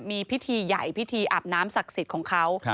มีพิธีใหญ่พิธีอาบน้ำศักดิ์สิทธิ์ของเขา